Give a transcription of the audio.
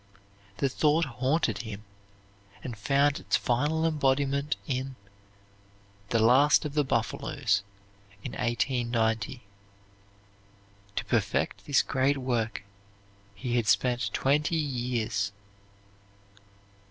The thought haunted him and found its final embodiment in "The Last of the Buffaloes" in 1890. To perfect this great work he had spent twenty years.